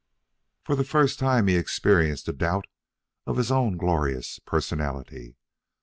For the first time he experienced a doubt of his own glorious personality.